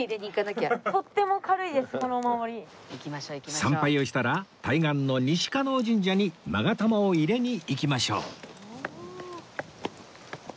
参拝をしたら対岸の西叶神社に勾玉を入れに行きましょう